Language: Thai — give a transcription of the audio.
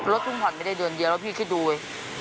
รถขึ้นผ่อนไม่ได้เดือนเดียวน้องพลอยเว้ย